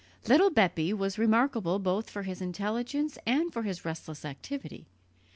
Little Bepi was remarkable both for his intelligence and for his restless activity.